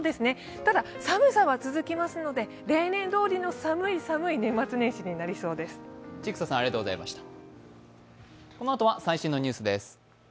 ただ、寒さは続きますので例年どおりの寒い寒い年末年始になりそうです。